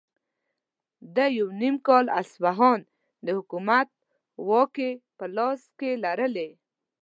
ده یو نیم کال اصفهان د حکومت واکې په خپل لاس کې لرلې.